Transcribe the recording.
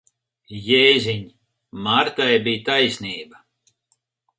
Jēziņ! Martai bija taisnība.